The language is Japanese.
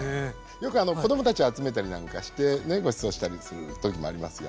よく子供たちを集めたりなんかしてねごちそうしたりする時もありますよ。